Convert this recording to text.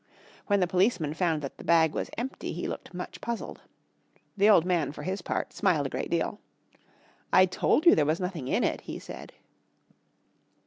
When the policeman found that the bag was empty he looked much puzzled. The old man for his part smiled a great deal. "I told you there was nothing in it," he said.